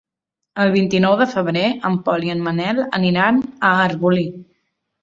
El vint-i-nou de febrer en Pol i en Manel aniran a Arbolí.